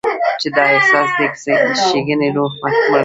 چې دا احساس دې د ښېګڼې روح مړ کړي.